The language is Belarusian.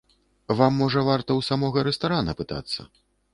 Вам, можа, варта ў самога рэстарана пытацца.